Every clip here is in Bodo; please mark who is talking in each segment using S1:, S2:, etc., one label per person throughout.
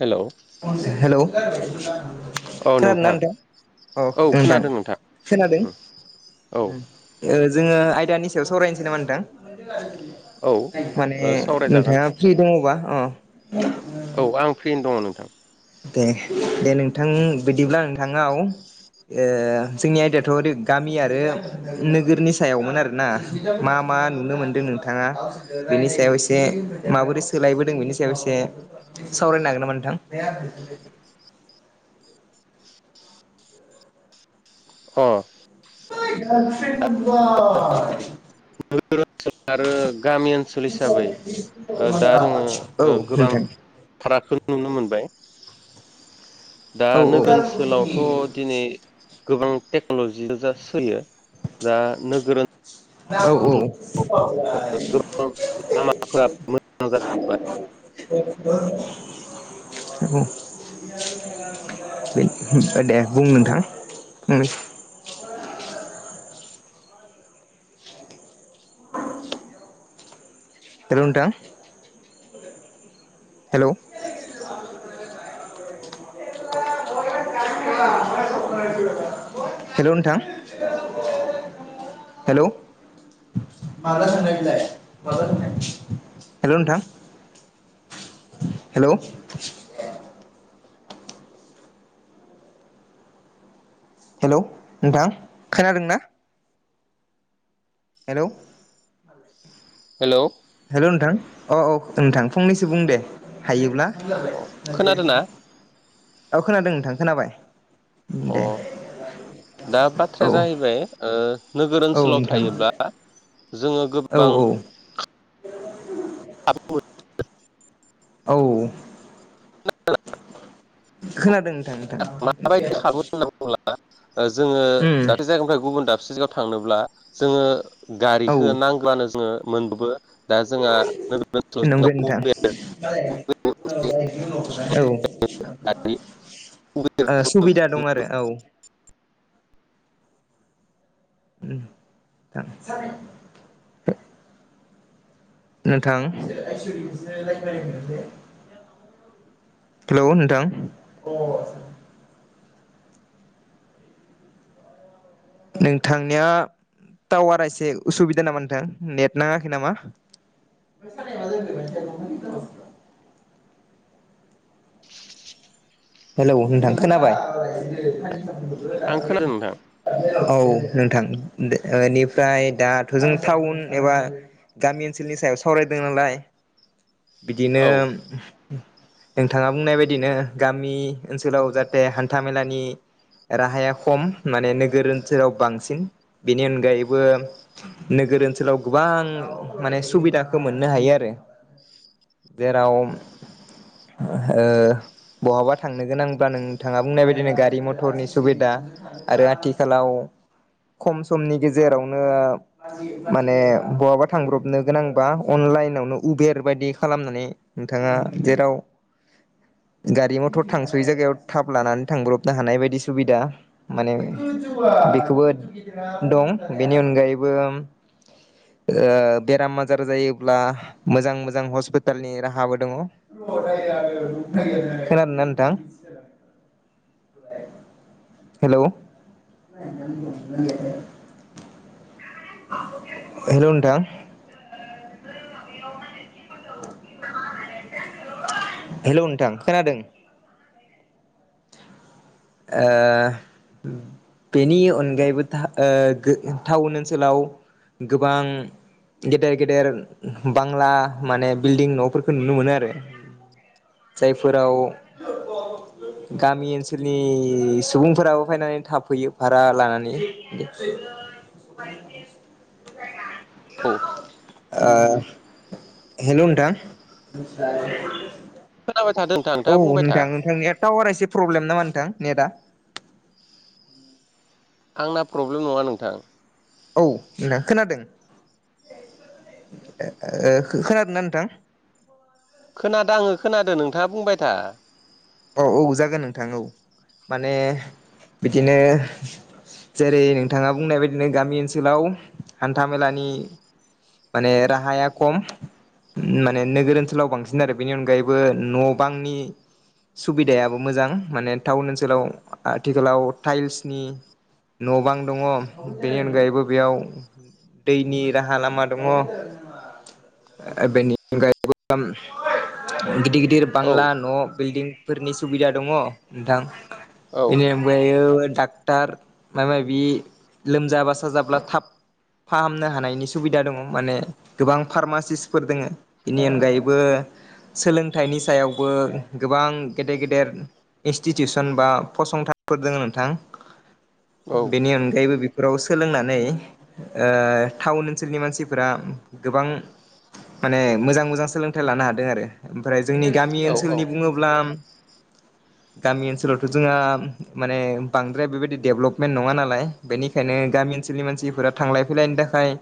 S1: हेलौ
S2: हेल' खोनादों नना नोंथां अ
S1: औ
S2: नोंथां
S1: खोनादों
S2: खोनादों
S1: उम औ
S2: जोङो आयदानि सायाव सावरायनोसै नामा नोंथां?
S1: औ
S2: माने
S1: ओ सावरायजागोन
S2: नोंथाङा फ्रि दङबा अ
S1: औ आं फैनो दङ नोंथां
S2: दे दे नोंथां बिदिब्ला नोंथाङाव ओ जोंनि आयदायाथ' ओरै गामि आरो नोगोरनि सायावमोन आरोना मा। मा नुनो मोनदों नोंथाङा बेनि सायाव एसे माबोरै सोलायबोदों बेनि सायाव एसे। सावरायनो हागोन नाम नोंथां?
S1: [inaudible]
S2: [inaudible]
S1: नोगोर ओनसोल आरो गामि ओनसोल
S2: औ
S1: हिसाबै ओ दा जोङो गोबां
S2: नोंथां
S1: फारागखौ नुनो मोनो। दा
S2: औ
S1: नोगोर ओनसोलावथ' दिनै गोबां टेक्न'लजिखौ जा सोलियो दा नोगोरोल
S2: औ औ [inaudible] [inaudible]
S1: गोबां लामाफोरा मोजां जाजोब्बाय
S2: दे बुं नोंथां बुंनोसै। [inaudible] नोंथां हेल'
S1: [inaudible]
S2: हेल' नोंथां। हेल' हेल' नोंथां। हेल' हेल नोंथां खोनादों ना? हेल
S1: हेल'।
S2: हेल' नोंथां अ औ नोंथां फंनैसो बुं दे हायोब्ला।
S1: अ खोनादोंना
S2: औ खोनादों नोंथां खोनाबाय।
S1: अ
S2: दे।
S1: दा
S2: औ
S1: बाथ्राया जाहैबाय ओ नोगोर
S2: औ
S1: ओनसोलाव
S2: नोंथां
S1: थायोब्ला जोङो
S2: औ
S1: गोबां
S2: औ
S1: [unintelligible]
S2: औ। खोनादों नोंथां नोंथां।
S1: ओ जोङो
S2: उम
S1: दाबसे जायगानिफ्राय गुबुन दाबसे जायगायाव थांनोब्ला जोङो गारिखो नांगोबानो जोङो मोनबोबो।
S2: नंगो नोंथां औ। ओ सुबिदा दं आरो औ। ओम। नोंथां। हेलौ नोंथां। नोंथांनिया टावारा एसे उसुबिदा नामा नोंथां नेट नाङाखै नामा। [unintelligible]
S1: [inaudible]
S2: हेलौ नोंथां खोनाबाय
S1: आं खोनादों नोंथां
S2: औ। नोंथां ओनिफ्राय दाथ' जों टाउन एबा गामि ओनसोलनि सायाव सावरायदों नालाय। बिदिनो
S1: औ
S2: नोंथाङा बुंनाय बायदिनो गाम मि ओनसोलाव जाहाथे हान्थामेलानि राहाया खम माने नोगोर ओनसोलाव बांसिन बेनि अनगायैबो नोग गोर ओनसोलाव गोबां माने सुबिदाखो मोननो हायो आरो।
S1: [inaudible]
S2: जेराव ओ बहाबा थांनो गोनांब्ला नोंथाङा बुंनाय बायदिनो गारि मथरनि सुबिदा आरो आथिखालाव खम समनि गेजेरावनो माने बहाबा थांब्रबनो गोनांबा अन लाइनावनो उबेर बायदि खालामनानै नोंथाङा जेराव
S1: [inaudible]
S2: गारि मथर थांसयै जायगायाव थाब लानानै थांब्रबनो हानाय बायदि सुबिदा माने बेखौबो दं बेनि अनगायैबो ओ बेराम आजार जायोब्ला मोजां मोजां हस्पिटालनि राहाबो दङ। खोनादोंना नोंथां? हेलौ। हेलौ नोंथां। हेलौ नोंथां खोनादों। ओ बेनि अनगायैबो टा ओ गो टाउन ओनसोलाव गोबां गेदेर गेदेर बांला माने बिल्डिं नफोरखो नुनो मोनो आरो। जायफोराव गामि ओनसोल नि सुबुंफोराबो फायनानै थाफैयो भारा लानानै।
S1: औ
S2: ओ हेलौ नोंथां।
S1: खोनाबाय थादों नोंथां
S2: औ
S1: नोंथाङा बुंबाय था
S2: नोंथां नोंथांनिया टावारा एसे प्रब्लेम नामा नोंथां नेटा।
S1: आंना प्रब्लेम नङा नोंथां।
S2: औ नोंना खोनादों। ए ए ओ खोनादोंना नोंथां?
S1: खोनादो आङो खोनादो नोंथाङा बुंबाय था।
S2: औ औ जागोन नोंथां औ माने बिदिनो जेरै नोंथाङा बुंनाय बायदिनो गामि ओनसोलाव हान्था मेलानि माने राहाया खम माने नोगोर ओनसोलाव बांसिन आरो बेनि अनगायैबो न बांनि सुबिदायाबो मोजां माने टाउन ओनसोलाव आथिखालाव टाइल्सनि न बां दङ बेनि अनगायैबो बेयाव दैनि राहा लामा दङ [unintelligible] गिदिर गिदिर
S1: औ
S2: बांला न बिल्डिंफोरनि सुबिदा दङ नोंथां
S1: औ
S2: [unintelligible] डाक्टार माब माबि लोमजाब्ला साजाब्ला थाब फाहामनो हानायनि सुबिदा दङ माने गोबां फार्मासिस्फोर दङ बेनि अनगायैबो सोलोंथाइनि सायावबो गोबां गेदेर गेदेर इनस्टिटिउसन बा फसंथानफोर दङ नोंथां
S1: औ
S2: बेनि अनगायैबो फोराव सोलोंनानै टाउन ओनसोलनि मानसिफोरा गोबां माने मोजां मोजां सोलोंथाइ लानो हादों आरो ओमफ्राय जोंनि गामि
S1: औ
S2: ओनसोलनि बुङोब्ला
S1: [inaudible]
S2: गामि ओनसोलावथ जोंहा माने बांद्राय बेबायाददि डेभलपमेन्ट नङा नालाय बेनिखायनो गामि ओनसोलनि मानसिफोरा थांलाय फैलायनि थाखाय-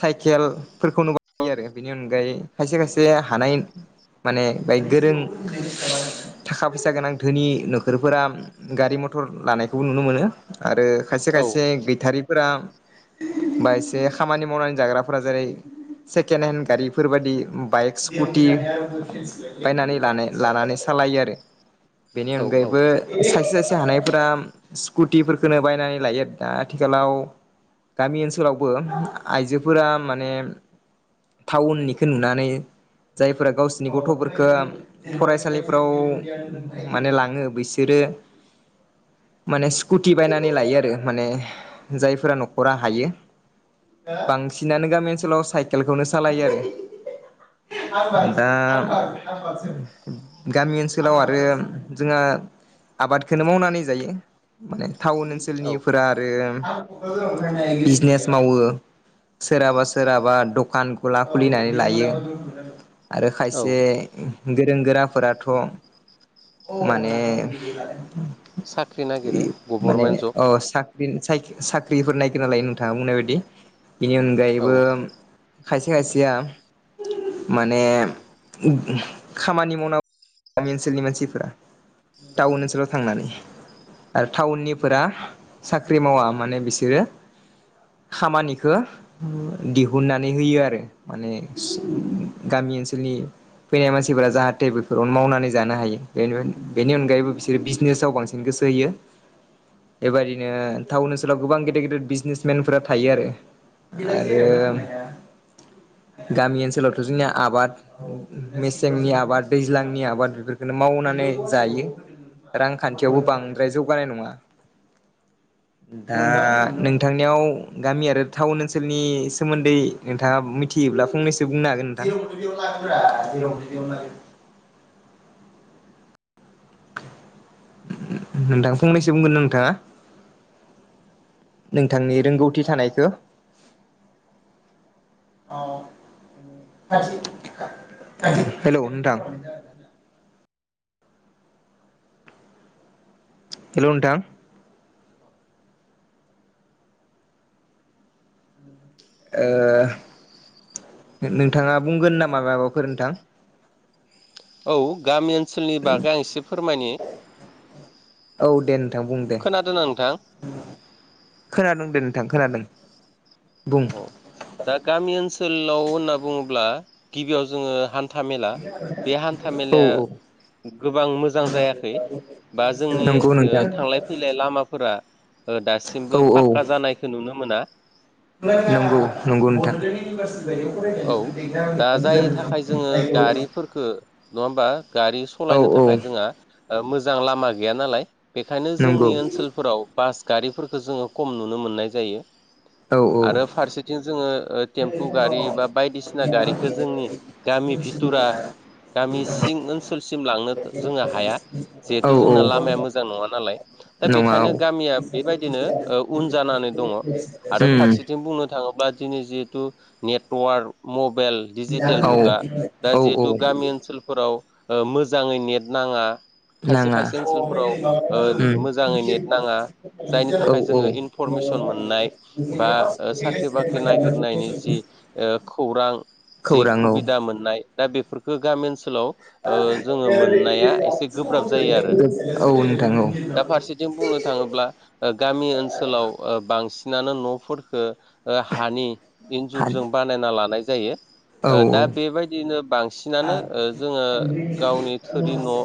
S2: साइकेल फोरफोरखौ नुबायो आरो बेनि अनगायै खायसे खायसे हानाय माने बाय गोरों थाखा फैसा गोनां धोनि नखोरफोरा गारि मथर लानायखौबो नुनो मोनो आरो खायसे खायसे गैथारिफोरा बा एसे खामानि मावनानै जाग्राफोरा जेरै सेकेणड हेणड गारिफोर बायदि बाइक स्कुटि बायनानै लानानै सान खालायो आरो बेनि
S1: औ
S2: अनगायैबो सासे सासे हानायफोरा स्कुटिषोरखौनो बायनानै लायो दा आथिखालाव गामि ओनसोलावबो आइजोफोरा माने टाउननिखौ नुनानै जायफोरा गावसोरनि गथ फोरखौ फरायसालिफोराव माने लाङो बिसोरो माने स्कुटि बायनानै लायो आरो माने जायफोरा नखरा हायो। बांसिनानो गामि ओनसोलाव साइकेलखौनो सालायो आरो दा गामि ओनसोलनि ओनसोलाव आरो जोंहा आबादखौ मावनानै जायो माने टाउन
S1: औ
S2: ओनसोलनिफोरा आरो बिजनेस मावो सोरहाबा सोरहाबा दखान गला खुलिनानै लायो। आरो
S1: औ
S2: खायसे गोरों गोराफोराथ माने?
S1: साख्रि नागिरो
S2: माने
S1: गभर्नमेन्ट
S2: अ
S1: जब
S2: साख्रिआवला साख्रिफोर नागिरनानै लायो नोंथाङा बुंनाय बायदि बेनि
S1: औ
S2: अनगायैबो खायसे खायसेया माने खामानि मावनांगौ। गामि ओनसोलनि मानसिफोरा टाउन ओनसोलाव थांनानै आरो टाउननिफोरा साख्रि मावा माने बिसोरो खामानिखौ दिहुननानै होयो आरो माने गामि गामि ओनसोलनि फैनाय मानसिफोरा जाहाथे बेखौ लन मावनानै जानो हायो बे बेनि अनगायैबो बिसोरो बिजनेसाव बांसिन गोसो होयो। बेबदिनो टाउन ओनसोलाव गोबां गेदेर गेदेर बिजनेसमेनफोरा थायो आरो [inaudible] [unintelligible] गामि ओनसोलावथ जोंनिया आबाद मेसेंनि आबाद दैज्लांनि आबाद बेफोरखौनो मावनानै जायो रांखान्थियावबो बांद्राय जौगानाय नङा
S1: [inaudible] [unintelligible]
S2: दा नोंथांनियाव गामि आरो टाउन ओनसोलनि सोमोन्दै नोंथाङा मिथि बिदिब्ला फंनैसो बुंनो हागोन नोंथां नोंथां फंनैसो बुंगोन ना नोंथाङा नोंथांनि रोंगौथि थानायखौ औ हेल' नोंथां हेल' नोंथां नोंथाङा बुंगोन नामा माबाफोर नोंथां
S1: औ गामि ओनसोलनि बागै आं एसे फोरमायनो
S2: औ दे नोंथां बुं दे खोनादों दे नोंथां खोनादों बुं
S1: औ दा गामि ओनसोलाव होनना बुङोब्ला गिबियाव जोङो हान्था मेला बे हान्था
S2: औ
S1: मेलाया
S2: औ
S1: गोबां मोजां जायाखै बा जोंनि
S2: नंगौ नोंथां
S1: थांलाय फैलाय लामाफोरा
S2: औ
S1: दासिमबो
S2: औ
S1: पाक्का जानायखौ नुनो मोना
S2: नंगौ नंगौ नोंथां
S1: औ
S2: [inaudible]
S1: दा जायनि थाखाय जोङो गारिफोरखो नङा हबा गारि
S2: औ
S1: सालायनो
S2: औ
S1: थाखाय जोंहा मोजां लामा गैया नालाय बेखायनो
S2: नंगौ
S1: जोंनि ओनसोलफोराव बास गारिफोरखौ जोङो खम नुनो मोननाय जायो
S2: औ
S1: आरो फारसेथिं जोङो टेम्पु गारि बा बायदिसिना गारिखौ जोंनि गामि बिथरा गामि सिं ओनसोलसिम लांनो जोंङो हाया जिहेथु
S2: औ
S1: जोंना
S2: औ
S1: लामाया मोजां नङा नालाय दा
S2: नङा
S1: बेखायनो
S2: औ
S1: गामिया बेबायदिनो उन जानानै दङ आरो
S2: उम
S1: फारसेथिं बुंनो थाङोब्ला जिहेतु नेटवर्क मबाइल डिजिटेल मुगा दा
S2: औ
S1: जिहेतु
S2: औ
S1: गामि ओनसोलफोराव मोजाङै नेट नाङा खायसे
S2: नाङा
S1: खायसे
S2: उम
S1: ओनसोलफोराव मोजाङै नेट नाङा जायनि
S2: औ
S1: थाखाय
S2: औ
S1: जोङो इनफर्ट कमिसन मोननाय बा साख्रि बाख्रि नागिरनायनि जि खौरां जि
S2: खौरां औ
S1: सुबिदा मोननाय दा बेफोरफोरखौ गामि ओनसोलाव जोङो मोननाया एसे गोब्राब जायो आरो
S2: औ नोंथां
S1: दा फारसेथिं बुंनो नो थाङोब्ला गामि ओनसोलाव बांसिनानो न'फोरखौ हानि जों बानायना लानाय जायो
S2: औ
S1: दा बेबायदियैनो बांसिनानो जोङो गावनि थोरि न'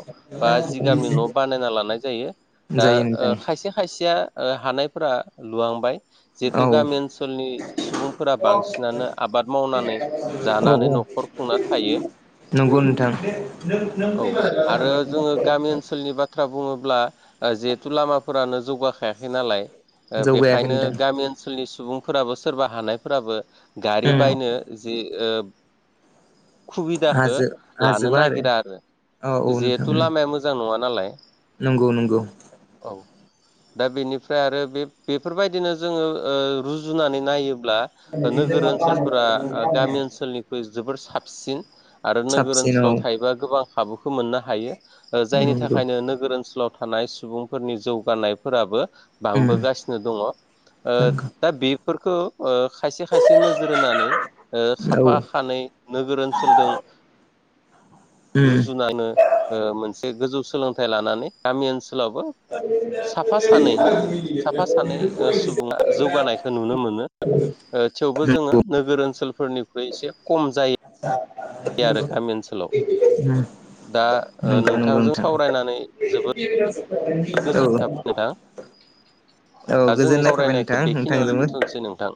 S1: बा जिगाबनि न बानायना लानाय जायो दा
S2: जायो नोंथां
S1: खायसे खायसेया हानायफोरा लुहांबाय जिहेतु
S2: औ
S1: गामि ओनसोलनि सुबुंफोरा
S2: औ
S1: बांसिन आबाद मावनानै जानानै
S2: औ
S1: न'खर खुंना थायो
S2: नंगौ नोंथां
S1: औ आरो जोङो गामि ओनसोलनि बाथ्रा बुङोब्ला जिहेथु लामाफोरानो जौगाखायाखै नालाय
S2: जौगायाखै
S1: बेखायनो
S2: नोंथां
S1: गामि ओनसोलनि सुबुंफोराबो सोरबा हानायफोराबो गारि
S2: उम
S1: बायनो जि सुबिदाखौ
S2: हाजो
S1: लानो
S2: हाजोबा
S1: नागिरा आरो
S2: औ औ नोंथां
S1: जिहेथु लामाया मोजां नङा नालाय
S2: नंगौ नंगौ
S1: औ दा बेनिफ्राय आरो बेफोरबायदिनो जोङो रुजुनानै नायोबा ब्ला नोगोर ओनसोलफोरा गामि ओनसोलनिख्रुइ जोबोर साबसिन आरो नोगोर
S2: साबसिन औ
S1: ओनसोलाव थायोबा गोबां खाबुखौ मोननो हायो ओ जायनि
S2: नंगौ
S1: थाखायनो नोगोर ओनसोलाव थानाय सुबुंफोरनि जौगानायफोराबो
S2: उम
S1: बांबोगासिनो ओ दङ' ओ
S2: नंगौ
S1: दा बेफोरखौ ओ खायसे खायसे नोजोर होनानै ओ
S2: औ
S1: खाफा खानै नोगोर ओनसोलदों
S2: उम
S1: रुजुनायनो ओ मोनसे गोजौ सोलोंथाइ लानानै गामि ओनस सोलावबो साफा सानै साफा सानै ओ सुबुङा जौगानायखो नुनो मोनो। ओ थेवबो जोङो
S2: नंगौ
S1: नोगोर ओनसोलफोरनिख्रुइ एसे खम जाय
S2: [inaudible]
S1: दा ओ
S2: नंगौ नंगौ
S1: नोंथांजों
S2: नोंथां
S1: सावरायनानै जोबोद [unintelligible]
S2: औ
S1: गोजोननाय थाबा
S2: औ
S1: नोंथां दा जोंनि
S2: गोजोननाय थाबाय नोंथां
S1: सावरायनायखो बेखिनियावनो
S2: नोंथांजोंबो
S1: दोनथ'निसै नोंथां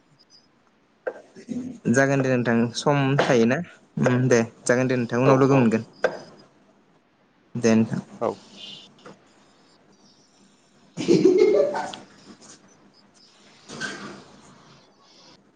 S2: जागोन दे नोंथां सम थायोना ओम दे जागोन दे नोंथां
S1: औ
S2: उनाव
S1: औ
S2: लोगो मोनगोन दे न
S1: औ
S2: [unintelligible]